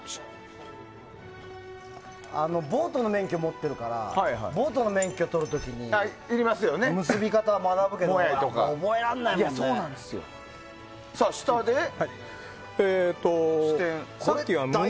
ボートの免許、持ってるからボートの免許とるときに結び方は学ぶけど覚えられないもんね。